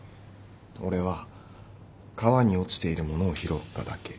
俺は川に落ちているものを拾っただけ。